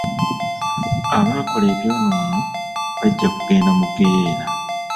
Abaakola ebyonoono bajja kugenda mu geyena.